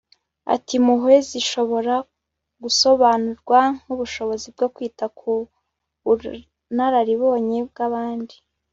ati impuhwe zishobora gusobanurwa nk'ubushobozi bwo kwita ku bunararibonye bw'abandi